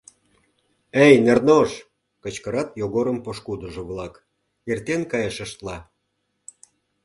— Эй, Нернош! — кычкырат Йогорым пошкудыжо-влак, эртен кайышыштла.